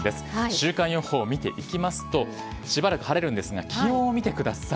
週間予報を見ていきますと、しばらく晴れるんですが、気温を見てください。